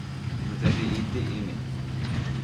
vous avez été aimé.